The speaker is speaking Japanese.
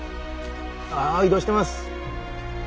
あ移動してます。